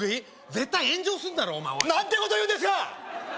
絶対炎上すんだろお前おい何てこと言うんですか！